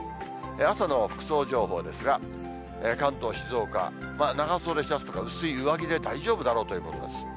朝の服装情報ですが、関東、静岡、長袖シャツとか、薄い上着で大丈夫だろうということです。